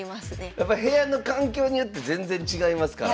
やっぱ部屋の環境によって全然違いますから。